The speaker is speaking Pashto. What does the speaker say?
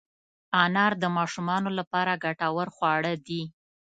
انار د ماشومانو لپاره ګټور خواړه دي.